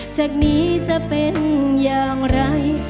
จากนี้จะเป็นอย่างไร